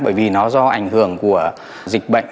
bởi vì nó do ảnh hưởng của dịch bệnh